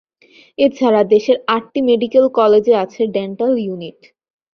এছাড়া দেশের আটটি মেডিকেল কলেজে আছে ডেন্টাল ইউনিট।